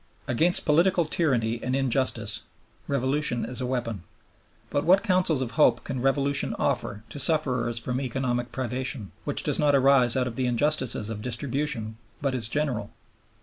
Against political tyranny and injustice Revolution is a weapon. But what counsels of hope can Revolution offer to sufferers from economic privation, which does not arise out of the injustices of distribution but is general?